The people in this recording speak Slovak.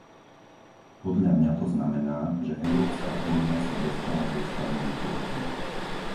Podľa mňa to znamená, že Európska únia sa dostala z ústavnej krízy.